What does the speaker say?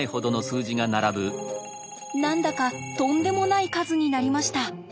何だかとんでもない数になりました。